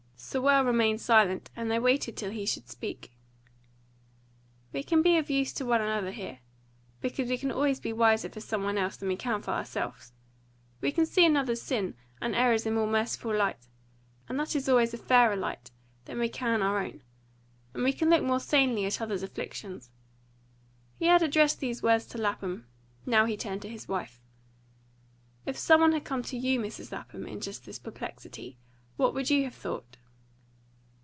Sewell remained silent, and they waited till he should speak. "We can be of use to one another here, because we can always be wiser for some one else than we can for ourselves. We can see another's sins and errors in a more merciful light and that is always a fairer light than we can our own; and we can look more sanely at others' afflictions." He had addressed these words to Lapham; now he turned to his wife. "If some one had come to you, Mrs. Lapham, in just this perplexity, what would you have thought?"